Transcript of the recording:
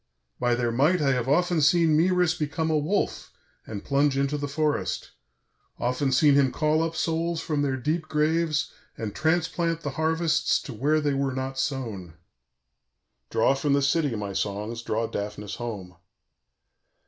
By their might I have often seen Mœris become a wolf and plunge into the forest, often seen him call up souls from their deep graves and transplant the harvests to where they were not sown. "_Draw from the city, my songs, draw Daphnis home.